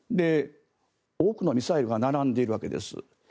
多くのミサイルが並んでいるわけです。